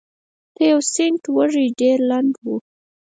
د تیوسینټ وږی ډېر لنډ و